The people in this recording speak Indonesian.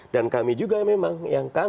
dan kami juga memang yang kang